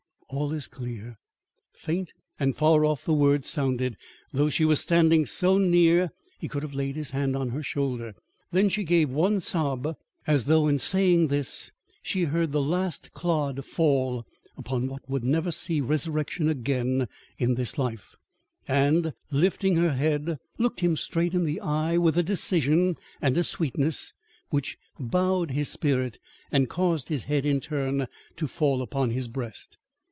"All is clear." Faint and far off the words sounded, though she was standing so near he could have laid his hand on her shoulder. Then she gave one sob as though in saying this she heard the last clod fall upon what would never see resurrection again in this life, and, lifting her head, looked him straight in the eye with a decision and a sweetness which bowed his spirit and caused his head in turn to fall upon his breast.